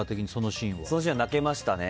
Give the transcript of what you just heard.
そのシーンは泣けましたね。